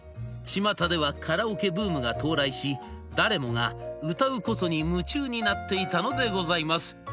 ちまたではカラオケブームが到来し誰もが歌うことに夢中になっていたのでございます。